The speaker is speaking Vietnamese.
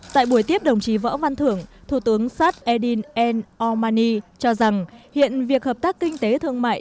tại buổi tiếp đồng chí võ văn thường thủ tướng seth endin n othmani cho rằng hiện việc hợp tác kinh tế thương mại